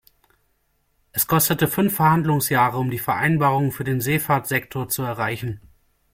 Es kostete fünf Verhandlungsjahre, um die Vereinbarung für den Seefahrtsektor zu erreichen.